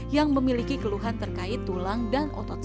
yang memiliki keluhan terkait tulang dan otot